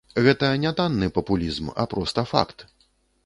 Гэта не танны папулізм, а проста факт.